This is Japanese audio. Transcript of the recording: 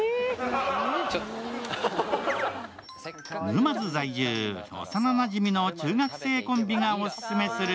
沼津在住、幼なじみの中学生コンビがオススメする